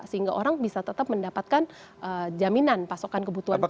sehingga orang bisa tetap mendapatkan jaminan pasokan kebutuhan